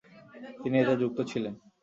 তিনি এতে যুক্ত ছিলেন।